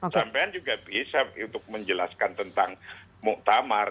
sampai juga bisa untuk menjelaskan tentang mutamar